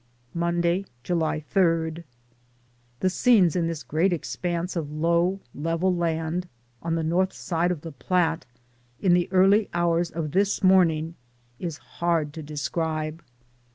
Monday, July 3. The scenes in this great expanse of low, level land on the north side of the Platte in the early hours of this morning is hard to describe.